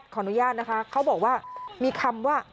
ขออนุญาตนะคะเขาบอกว่ามีคำว่า